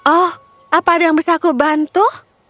oh apa ada yang bisa aku bantu